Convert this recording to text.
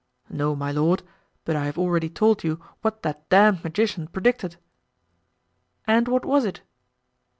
"No, my lord; but I have already told you what that damned magician predicted." "And what was it?"